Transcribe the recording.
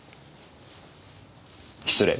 失礼。